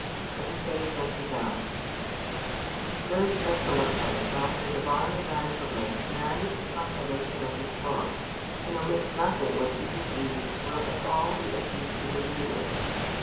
But He saith unto them Most excellently doth the Divine Evangelist manage the compilation of this book, and omits nothing which he believes will at all be of use to the readers.